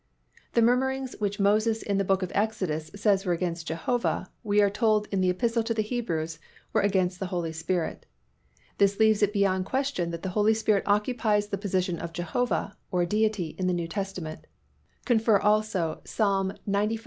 The murmurings which Moses in the Book of Exodus says were against Jehovah, we are told in the Epistle to the Hebrews were against the Holy Spirit. This leaves it beyond question that the Holy Spirit occupies the position of Jehovah (or Deity) in the New Testament (cf. also Ps. xcv.